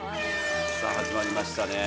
さあ始まりましたね。